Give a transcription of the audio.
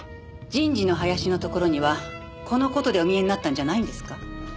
人事の林のところにはこの事でお見えになったんじゃないんですか？